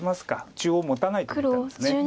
中央もたないと見たんです。